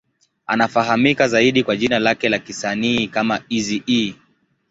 Anafahamika zaidi kwa jina lake la kisanii kama Eazy-E.